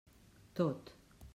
Tot.